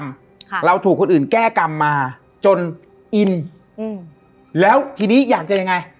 ค่ะเราถูกคนอื่นแก้กรรมมาจนอินอืมแล้วทีนี้อยากจะยังไง